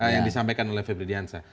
yang disampaikan oleh febrilyansa